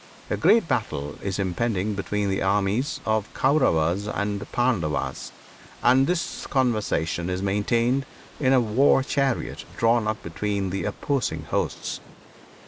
A great battle is impending between the armies of the Kauravas and Pandavas, and this conversation is maintained in a war chariot drawn up between the opposing hosts.